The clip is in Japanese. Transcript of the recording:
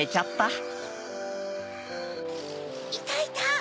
いたいた！